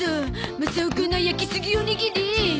マサオくんの焼きすぎオニギリ。